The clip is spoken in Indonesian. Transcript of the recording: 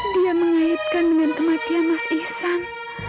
dia mengaitkan dengan kematian mas ihsan